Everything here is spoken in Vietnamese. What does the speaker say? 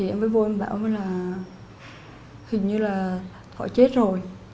em mới gọi thọ